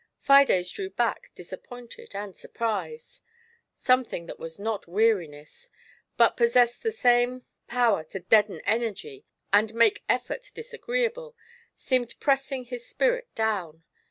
, Fides drew back disappointed and surprised ; some thing that was not weariness, but passessed the same GIANT SLOTH. power to deaden energy and make effort disagreeable, seemed preaaing hia spirit down.